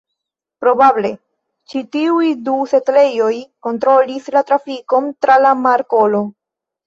Probable, ĉi tiuj du setlejoj kontrolis la trafikon tra la markolo.